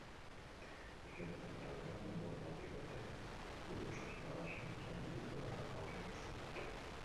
Ikerketen arabera, munduan lautik batek buru osasun arazoak izango dituela aurreikusten da.